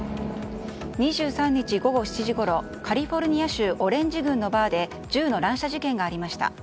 ２３日午後７時ごろカリフォルニア州オレンジ郡のバーで銃の乱射事件がありました。